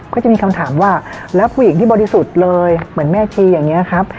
ก็จะมีคำถามว่าแล้วผู้หญิงที่บริสุทธิ์เลยเหมือนแม่ชีอย่างนี้ครับ